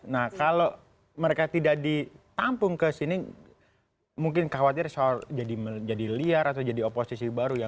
nah kalau mereka tidak ditampung ke sini mungkin khawatir soal jadi liar atau jadi oposisi baru ya